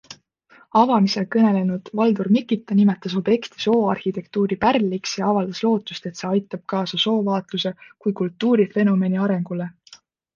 Avamisel kõnelenud Valdur Mikita nimetas objekti sooarhitektuuri pärliks ja avaldas lootust, et see aitab kaasa soovaatluse kui kultuurifenomeni arengule.